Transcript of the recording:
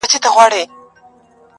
او د ځان سره جنګېږي تل